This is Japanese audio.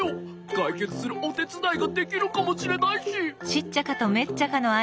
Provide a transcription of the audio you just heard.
かいけつするおてつだいができるかもしれないし。